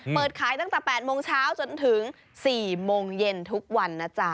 เปิดขายตั้งแต่๘โมงเช้าจนถึง๔โมงเย็นทุกวันนะจ๊ะ